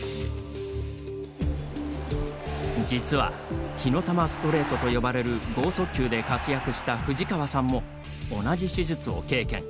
実は火の玉ストレートと呼ばれる剛速球で活躍した藤川さんも同じ手術を経験。